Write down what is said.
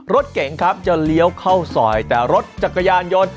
รถเก๋งครับจะเลี้ยวเข้าซอยแต่รถจักรยานยนต์